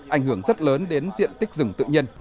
ảnh hưởng rất lớn đến diện tích rừng tự nhiên